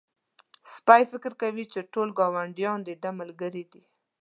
سپی فکر کوي چې ټول ګاونډيان د ده ملګري دي.